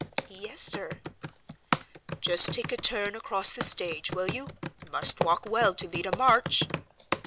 "Yes, sir." "Just take a turn across the stage, will you? Must walk well to lead a march."